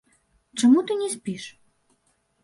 Чаму ты не спіш?